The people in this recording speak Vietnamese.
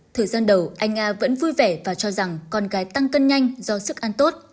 thời gian đầu anh nga vẫn vui vẻ và cho rằng con gái tăng cân nhanh do sức an tốt